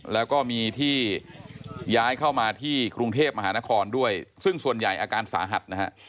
แล้วก็มีที่ย้ายเข้ามาที่กรุงเทพมหานครด้วยซึ่งส่วนใหญ่อาการสาหัสนะฮะ